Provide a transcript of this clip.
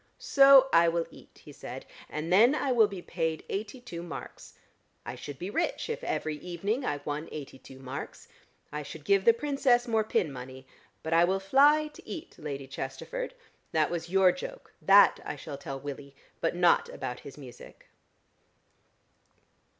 "So I will eat," he said, "and then I will be paid eighty two marks. I should be rich if every evening I won eighty two marks. I should give the Princess more pin money. But I will fly to eat, Lady Chesterford. That was your joke: that I shall tell Willie, but not about his music."